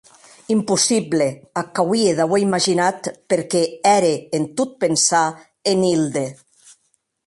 Impossible, ac auie d'auer imaginat perque ère en tot pensar en Hilde.